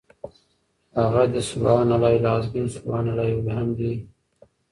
هغه دي سُبْحَانَ اللَّهِ العَظِيمِ، سُبْحَانَ اللَّهِ وَبِحَمْدِهِ .